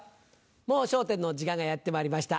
『もう笑点』の時間がやってまいりました。